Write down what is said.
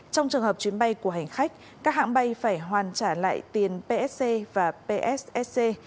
trong trường hợp chuyến bay của hành khách các hãng bay phải hoàn trả lại tiền psc và pssc